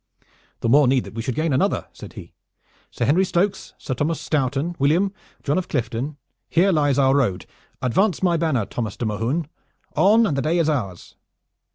"The more need that we should gain another," said he. "Sir Henry Stokes, Sir Thomas Stourton, William, John of Clifton, here lies our road! Advance my banner, Thomas de Mohun! On, and the day is ours!"